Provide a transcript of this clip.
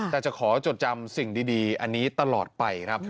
แต่จะขอจดจำสิ่งดีอันนี้ตลอดไปครับ